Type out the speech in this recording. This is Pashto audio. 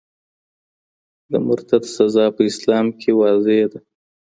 د مرتد سزا په اسلام کي واضحه ده.